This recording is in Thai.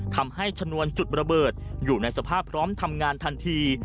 ชนวนจุดระเบิดอยู่ในสภาพพร้อมทำงานทันที